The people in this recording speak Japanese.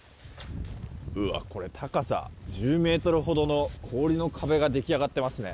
高さ１０ｍほどの氷の壁が出来上がっていますね。